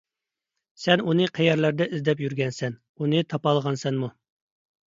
سەن ئۇنى قەيەرلەردە ئىزدەپ يۈرگەنسەن، ئۇنى تاپالىغانسەنمۇ؟